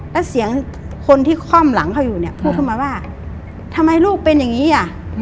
แล้วเสียงคนที่ค่อมหลังเขาอยู่เนี่ยพูดขึ้นมาว่าทำไมลูกเป็นอย่างนี้อ่ะ